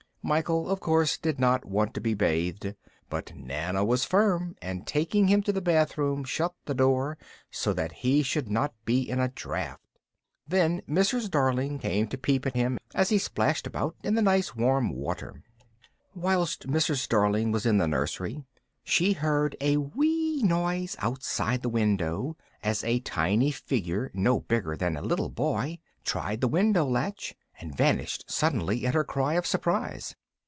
Michael, of course, did not want to be bathed, but Nana was firm and, taking him to the bathroom, shut the door so that he should not be in a draught. Then Mrs. Darling came to peep at him as he splashed about in the nice warm water. Whilst Mrs. Darling was in the nursery she heard a wee noise outside the window, as a tiny figure, no bigger than a little boy, tried the window latch, and vanished suddenly at her cry of surprise.